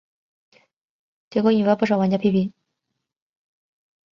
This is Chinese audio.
结果引发不少玩家批评。